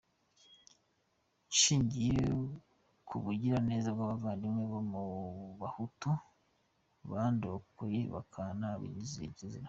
Nshingiye ku bugiraneza bw’abavandimwe bo mu Bahutu bandokoye bakanabizira.